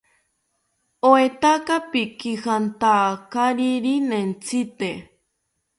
¿Oetaka pikijantakariri nentzite?